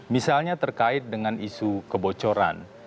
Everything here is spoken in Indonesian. misalnya terkait dengan isu kebocoran